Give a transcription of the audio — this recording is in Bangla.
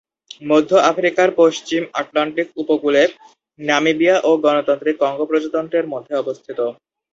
মধ্য আফ্রিকার পশ্চিম আটলান্টিক উপকূলে নামিবিয়া ও গণতান্ত্রিক কঙ্গো প্রজাতন্ত্রের মধ্যে অবস্থিত।